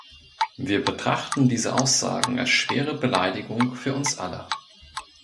Wir betrachten diese Aussagen als schwere Beleidigung für uns alle.